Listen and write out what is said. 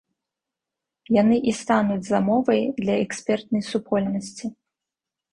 Яны і стануць замовай для экспертнай супольнасці.